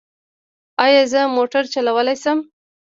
ایا زه موټر چلولی شم؟